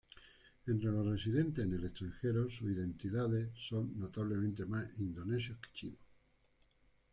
Entre los residentes en el extranjero, sus identidades son notablemente más indonesios que chinos.